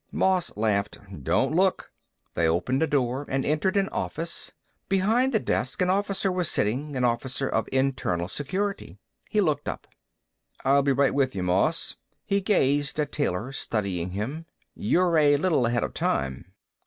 Moss laughed. "Don't look." They opened a door and entered an office. Behind the desk, an officer was sitting, an officer of Internal Security. He looked up. "I'll be right with you, Moss." He gazed at Taylor studying him. "You're a little ahead of time."